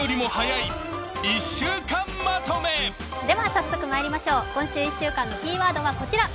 早速まいりましょう、今週１週間のキーワードはこちら。